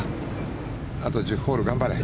あと１０ホール頑張れ。